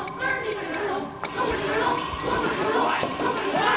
おい！